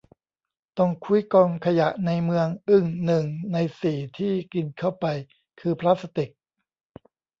ต้องคุ้ยกองขยะในเมือง อึ้ง หนึ่ง ใน สี่ ที่กินเข้าไปคือพลาสติก